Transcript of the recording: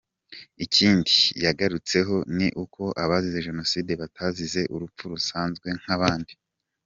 Ikindi yagarutseho ni uko abazize jenoside batazize urupfu rusanzwe nk’abandi.